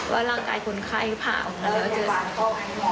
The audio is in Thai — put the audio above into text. ว่าร่างกายคนไข้ผ่าออกมาแล้ว